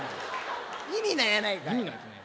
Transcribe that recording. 意味ないやないかい。